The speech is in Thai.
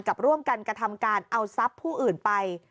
กับร่วมกันกระทำการเอาซับผู้อื่นไป